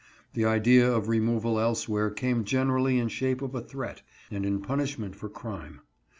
The idea of re moval elsewhere came generally in shape of a threat, and in punishment for crime.